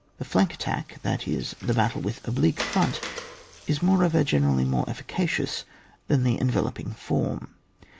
— The flank attack, that is, the battle with ob lique firont, is moreover generally more efficacious than the enveloping form.